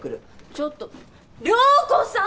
ちょっと涼子さん！